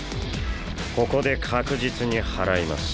ここで確実に祓います。